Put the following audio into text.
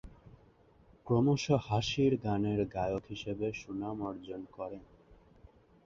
ক্রমশ হাসির গানের গায়ক হিসাবে সুনাম অর্জন করেন।